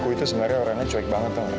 aku itu sebenarnya orangnya cuek banget tau gak